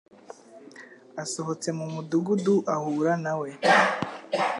asohotse mu mudugudu ahura na we